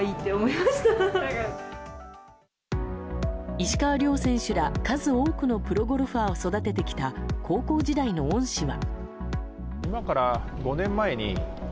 石川遼選手ら、数多くのプロゴルファーを育ててきた高校時代の恩師は。